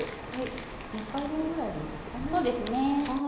２回分ぐらいでいいですかね。